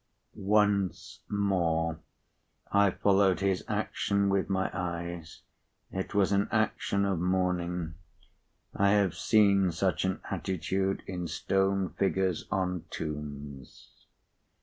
Once more, I followed his action with my eyes. It was an action of mourning. I have seen such an attitude in stone figures on tombs.